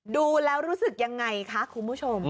ดูแล้วรู้สึกยังไงคะคุณผู้ชม